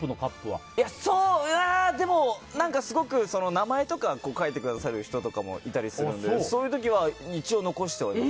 うーんでも、名前とかを書いてくださる人とかもいたりするのでそういう時は一応、残してはいて。